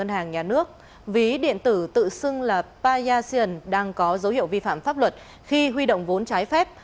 ngân hàng nhà nước ví điện tử tự xưng là payasian đang có dấu hiệu vi phạm pháp luật khi huy động vốn trái phép